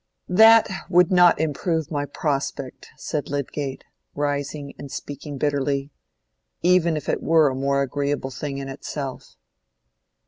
"That would not improve my prospect," said Lydgate, rising and speaking bitterly, "even if it were a more agreeable thing in itself."